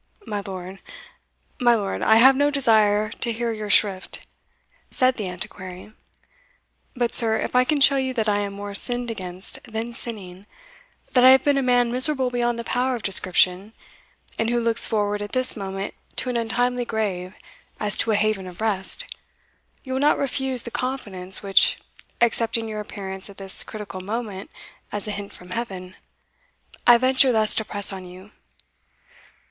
"My lord my lord, I have no desire to hear your shrift," said the Antiquary. "But, sir, if I can show you that I am more sinned against than sinning that I have been a man miserable beyond the power of description, and who looks forward at this moment to an untimely grave as to a haven of rest, you will not refuse the confidence which, accepting your appearance at this critical moment as a hint from Heaven, I venture thus to press on you."